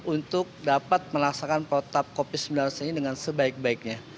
untuk dapat melaksanakan protap covid sembilan belas ini dengan sebaik baiknya